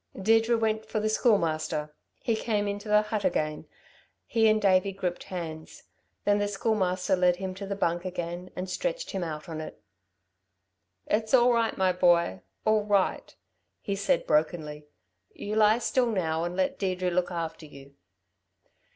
Deirdre went for the Schoolmaster. He came into the hut again. He and Davey gripped hands. Then the Schoolmaster led him to the bunk again and stretched him out on it. "It's all right, my boy! All right!" he said, brokenly. "You lie still now and let Deirdre look after you."